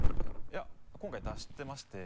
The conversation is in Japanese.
いや今回出してまして。